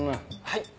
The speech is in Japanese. はい。